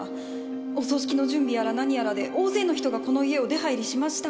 お葬式の準備やら何やらで大勢の人がこの家を出入りしましたから。